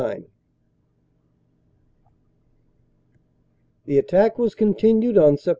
28 29 ^TM3E attack was continued on Sept.